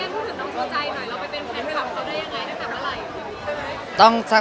เฮียพี่เฮียพูดถึงน้องโชว์ใจหน่อย